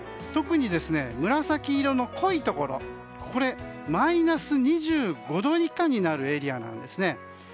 特に、紫色の濃いところマイナス２５度以下になるエリアなんですね。